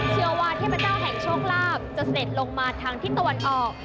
เชื่อว่าเทพเจ้าแห่งโชคลาภจะเสด็จลงมาทางทิศตะวันออก